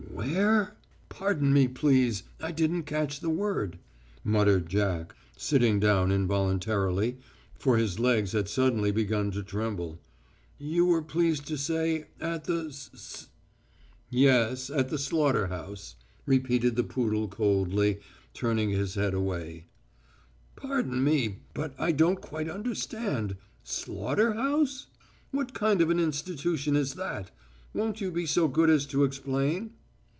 "Where? Pardon me, please, I didn't catch the word," muttered Jack, sitting down involuntarily, for his legs had suddenly begun to tremble. "You were pleased to say at the s s ..." "Yes, at the slaughter house," repeated the poodle coldly, turning his head away. "Pardon me, but I don't quite understand.... Slaughter house? ... What kind of an institution is that? Won't you be so good as to explain?"